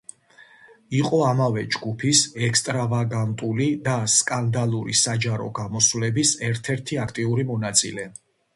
იყო ამავე ჯგუფის ექსტრავაგანტული და სკანდალური საჯარო გამოსვლების ერთ-ერთი აქტიური მონაწილე.